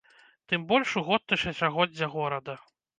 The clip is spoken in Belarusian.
Тым больш у год тысячагоддзя горада.